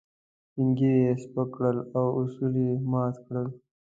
سپين ږيري يې سپک کړل او اصول يې مات کړل.